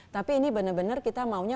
tapi ini bener bener kita maunya